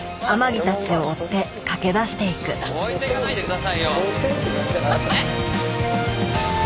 置いてかないでくださいよ！